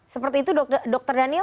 seperti itu dokter daniel